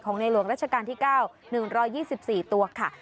ในหลวงราชการที่๙๑๒๔ตัวค่ะ